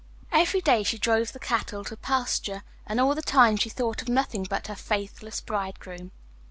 Every day she drove the cattle to pasture, and all the time she thought of nothing but her faithless bridegroom.